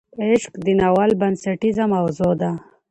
عشق د ناول بنسټیزه موضوع ده.